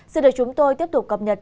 sẽ được chúng tôi tiếp tục cập nhật